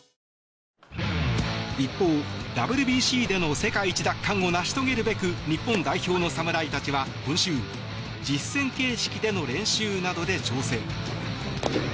一方、ＷＢＣでの世界一奪還を成し遂げるべく日本代表の侍たちは、今週実戦形式での練習などで調整。